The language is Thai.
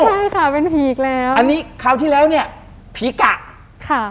ใช่ค่ะเป็นผีอีกแล้วอันนี้คราวที่แล้วเนี่ยผีกะค่ะ